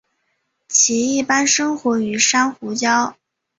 其一般生活于珊瑚礁。